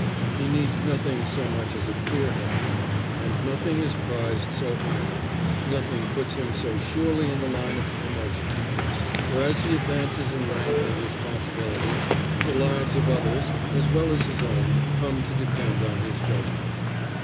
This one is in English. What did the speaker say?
He needs nothing so much as a clear head; and nothing is prized so highly, nothing puts him so surely in the line of promotion; for as he advances in rank and responsibility, the lives of others, as well as his own, come to depend on his judgment.